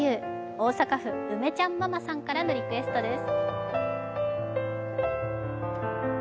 大阪府、ウメちゃんママさんからのリクエストです。